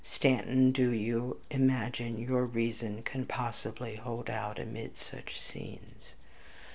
Stanton, do you imagine your reason can possibly hold out amid such scenes?